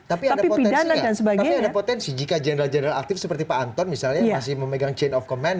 tapi ada potensi jika general general aktif seperti pak anton misalnya masih memegang chain of command